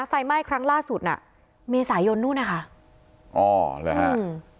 ไฟไหม้ครั้งล่าสุดน่ะเมษายนนู่นนะคะอ๋อเหรอฮะอืม